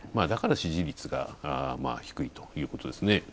だから支持率が低いということですね。